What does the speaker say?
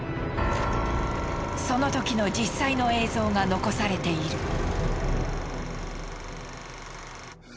そのときの実際の映像が残されている。